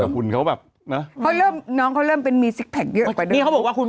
หุ่นเขาแบบน้องเขาเริ่มเป็นมีซิกแพ็คเยอะไปด้วย